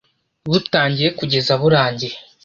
butangiye kugeza burangiye